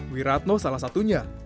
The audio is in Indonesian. wiratno salah satunya